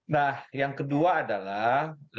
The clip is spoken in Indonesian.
nah yang kedua adalah